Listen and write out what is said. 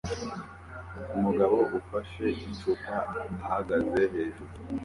Umugabo ufashe icupa ahagaze hejuru